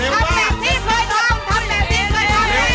เร็ว